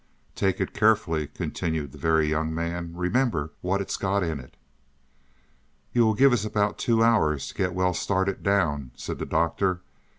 "Take it carefully," continued the Very Young Man. "Remember what it's got in it." "You will give us about two hours to get well started down," said the Doctor.